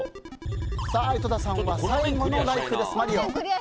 井戸田さんは最後のライフです。